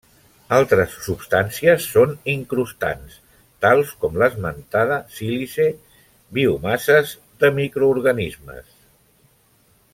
Altres substàncies són incrustants, tals com l'esmentada sílice, biomasses de microorganismes.